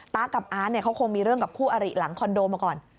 กับอาร์ตเขาคงมีเรื่องกับคู่อริหลังคอนโดมาก่อน